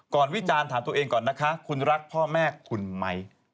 วิจารณ์ถามตัวเองก่อนนะคะคุณรักพ่อแม่คุณไหม